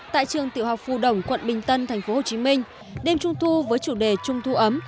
tại trường tiểu học phù đồng quận bình tân tp hcm đêm trung thu với chủ đề trung thu ấm